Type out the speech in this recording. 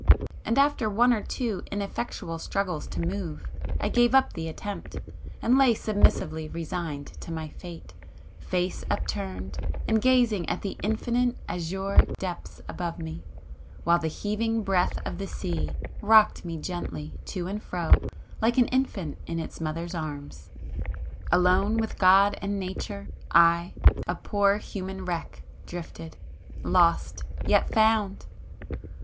and after one or two ineffectual struggles to move I gave up the attempt, and lay submissively resigned to my fate, face upturned and gazing at the infinite azure depths above me, while the heaving breath of the sea rocked me gently to and fro like an infant in its mother's arms. Alone with God and Nature, I, a poor human wreck, drifted,——lost, yet found!